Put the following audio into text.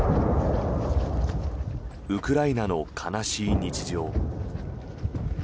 ウクライナの悲しい日常。